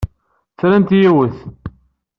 Fernet yiwet.